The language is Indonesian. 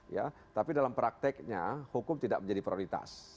ya tapi dalam prakteknya hukum tidak menjadi prioritas